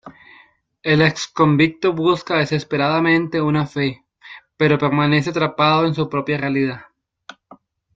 El exconvicto busca desesperadamente una fe, pero permanece atrapado en su propia realidad.